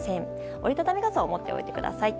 折り畳み傘を持っておいてください。